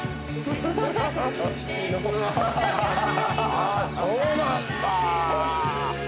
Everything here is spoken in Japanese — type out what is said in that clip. ああそうなんだ。